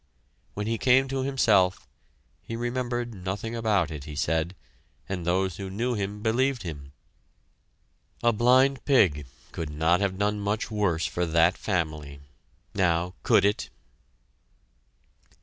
When he came to himself, he remembered nothing about it, he said, and those who knew him believed him. A blind pig could not have done much worse for that family! Now, could it?